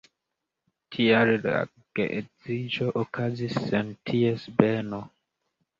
Tial la geedziĝo okazis sen ties beno.